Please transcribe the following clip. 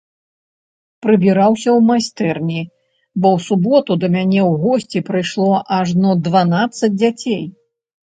Прыбіраўся ў майстэрні, бо ў суботу да мяне ў госці прыйшло ажно дванаццаць дзяцей.